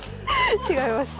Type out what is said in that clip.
違います。